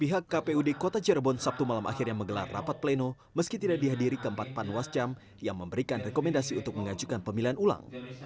pihak kpud kota cirebon sabtu malam akhirnya menggelar rapat pleno meski tidak dihadiri keempat panwascam yang memberikan rekomendasi untuk mengajukan pemilihan ulang